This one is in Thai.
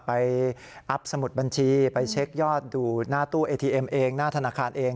อัพสมุดบัญชีไปเช็คยอดดูหน้าตู้เอทีเอ็มเองหน้าธนาคารเอง